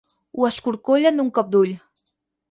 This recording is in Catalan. Ho escorcollen d'un cop d'ull.